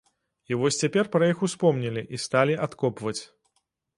І вось цяпер пра іх успомнілі і сталі адкопваць.